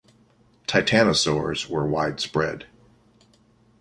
Titanosaurs were widespread.